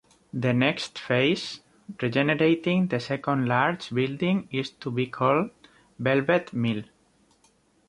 The next phase, regenerating the second large building is to be called Velvet Mill.